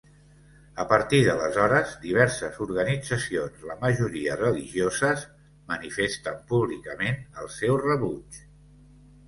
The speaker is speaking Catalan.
A partir d'aleshores, diverses organitzacions, la majoria religioses, manifesten públicament el seu rebuig.